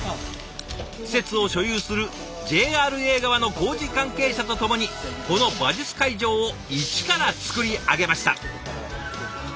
施設を所有するＪＲＡ側の工事関係者と共にこの馬術会場をイチからつくり上げました。